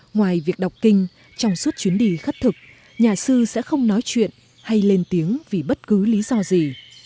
ngoài việc đọc kinh trong suốt chuyến đi khất thực nhà sư sẽ không nói chuyện hay lên tiếng vì bất cứ lý do gì